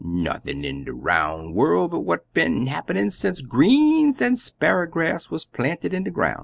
Nothin' in de roun' worl' but what been happenin' sence greens an' sparrer grass wuz planted in de groun'.